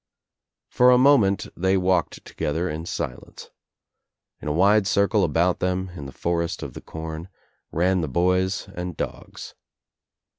For a moment they walked together in silence. In a wide circle about them, in the forest of the corn, ran the boys and dogs.